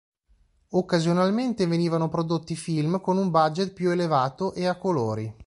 Occasionalmente venivano prodotti film con un budget più elevato e a colori.